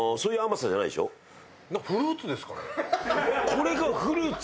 これがフルーツ？